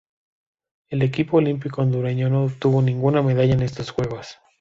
El equipo olímpico hondureño no obtuvo ninguna medalla en estos Juegos.